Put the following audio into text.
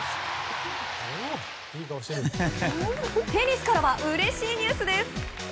テニスからはうれしいニュースです。